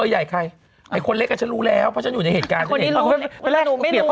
ไหนหากคงรู้เลยใครใครเขียนสิ